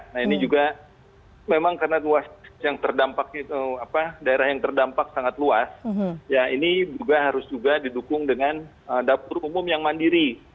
nah ini juga memang karena luas daerah yang terdampak sangat luas ya ini juga harus juga didukung dengan dapur umum yang mandiri